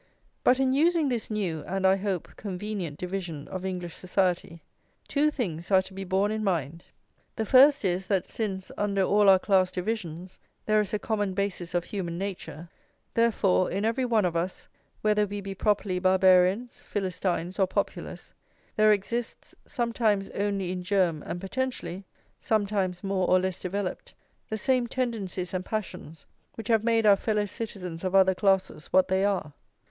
But in using this new, and, I hope, convenient division of English society, two things are to be borne in mind. The first is, that since, under all our class divisions, there is a common basis of human nature, therefore, in every one of us, whether we be properly Barbarians, Philistines, or Populace, there exists, sometimes only in germ and potentially, sometimes more or less developed, the same tendencies and passions which have made our fellow citizens of other classes what they are.